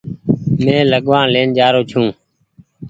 مينٚ لگوآڻ لين جآرو ڇوٚنٚ